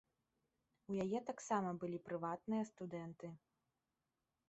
У яе таксама былі прыватныя студэнты.